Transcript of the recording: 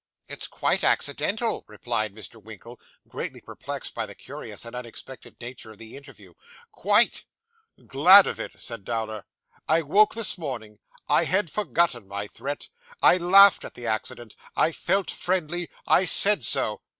'It's quite accidental,' replied Mr. Winkle, greatly perplexed by the curious and unexpected nature of the interview. 'Quite.' 'Glad of it,' said Dowler. 'I woke this morning. I had forgotten my threat. I laughed at the accident. I felt friendly. I said so.